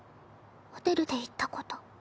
ホテルで言ったこと。